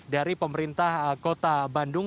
dari pemerintah kota bandung